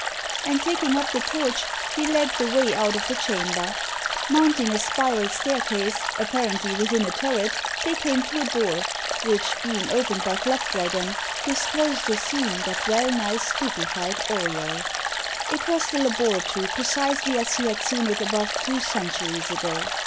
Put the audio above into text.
And taking up the torch, he led the way out of the chamber. Mounting a spiral staircase, apparently within a turret, they came to a door, which being opened by Flapdragon, disclosed a scene that well nigh stupefied Auriol. It was the laboratory precisely as he had seen it above two centuries ago.